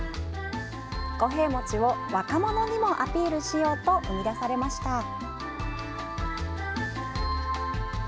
五平餅を若者にもアピールしようと生み出されました。